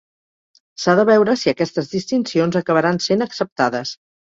S'ha de veure si aquestes distincions acabaran sent acceptades.